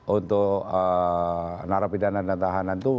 untuk narapidana dan tahanan itu